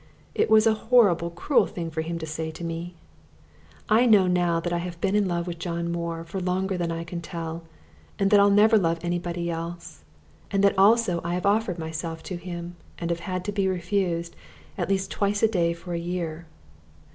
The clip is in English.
It was a horrible cruel thing for him to say to me! I know now that I have been in love with John Moore for longer than I can tell, and that I'll never love anybody else, and that also I have offered myself to him and have had to be refused at least twice a day for a year.